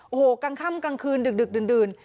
โอ้โหกลางค่ำกลางคืนดึกดื่น